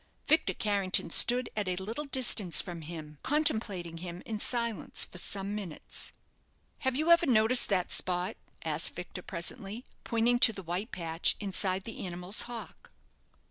Victor Carrington stood at a little distance from him, contemplating him in silence for some minutes. "Have you ever noticed that spot?" asked Victor, presently, pointing to the white patch inside the animal's hock.